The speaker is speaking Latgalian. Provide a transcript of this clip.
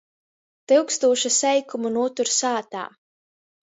Tyukstūša seikumu nūtur sātā.